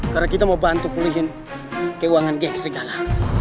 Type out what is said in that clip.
karena kita mau bantu pulihin keuangan geng serigala